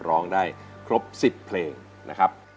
ร้องได้ครบ๑๐เพลงนะครับ